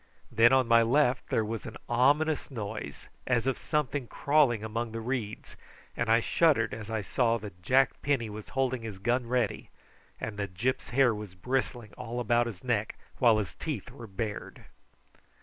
Then on my left there was an ominous noise, as of something crawling amongst the reeds, and I shuddered as I saw that Jack Penny was holding his gun ready, and that Gyp's hair was bristling all about his neck, while his teeth were bared.